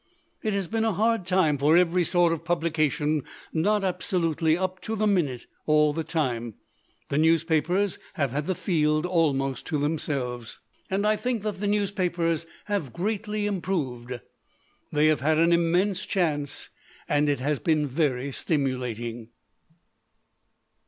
"It has been a hard time for every sort of a publication not absolutely up to the minute all the time. The newspapers have had the field almost to themselves. "And I think that the newspapers have greatly improved. They have had an immense chance, and it has been very stimulating."